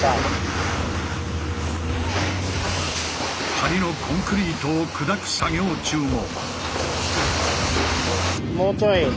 梁のコンクリートを砕く作業中も。